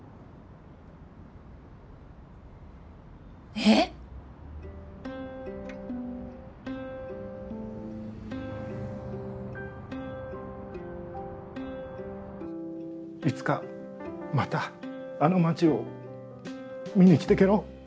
ええ⁉いつかまたあの町を見に来てけろ。